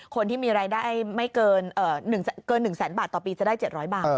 คนที่มีรายได้ไม่เกิน๑แสนบาทต่อปีจะได้๗๐๐บาท